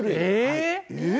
えっ？